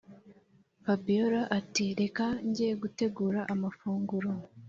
fabiora ati”reka jye gutegura amafunguro